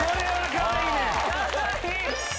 かわいい！